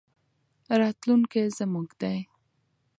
راتلونکی زموږ دی.